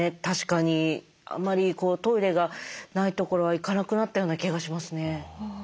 確かにあまりトイレがない所は行かなくなったような気がしますね。